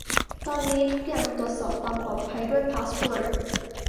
ตอนนี้ทุกอย่างตรวจสอบความปลอดภัยด้วยพาสเวิร์ด